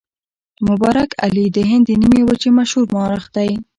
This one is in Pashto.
مبارک علي د هند د نیمې وچې مشهور مورخ دی.